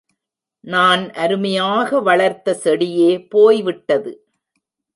நான் அருமையாக வளர்த்த செடியே போய் விட்டது.